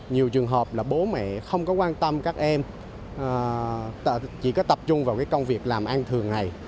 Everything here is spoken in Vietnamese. nhiều trường hợp là bố mẹ không có quan tâm các em chỉ có tập trung vào cái công việc làm ăn thường ngày